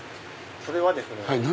それはですね